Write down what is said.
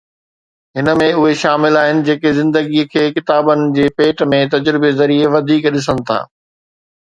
ھن ۾ اھي شامل آھن جيڪي زندگيءَ کي ڪتابن جي ڀيٽ ۾ تجربي ذريعي وڌيڪ ڏسن ٿا.